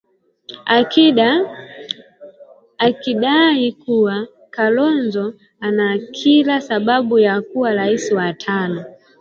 akidai kuwa kalonzo ana kila sababu ya kuwa rais wa tano